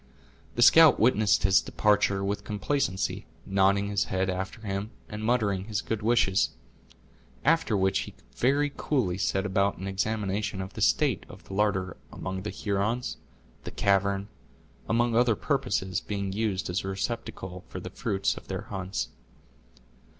The scout witnessed his departure with complacency, nodding his head after him, and muttering his good wishes; after which he very coolly set about an examination of the state of the larder, among the Hurons, the cavern, among other purposes, being used as a receptacle for the fruits of their hunts.